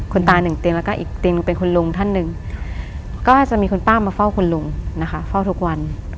คุณตาหนึ่งเตียงแล้วก็อีกเตียงหนึ่งเป็นคุณลุงท่านหนึ่งก็จะมีคุณป้ามาเฝ้าคุณลุงนะคะเฝ้าทุกวัน